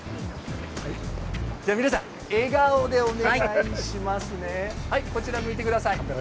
皆さん、笑顔でお願いします。